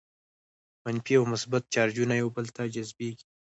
منفي او مثبت چارجونه یو بل ته جذبیږي.